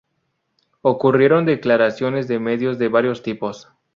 Ocurrieron declaraciones de medios de varios tipos.